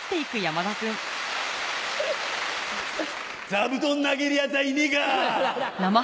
座布団投げるヤツはいねが！